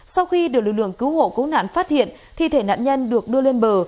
sau khi được lực lượng cứu hộ cứu nạn phát hiện thi thể nạn nhân được đưa lên bờ